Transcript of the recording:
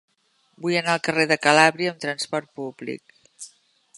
Vull anar al carrer de Calàbria amb trasport públic.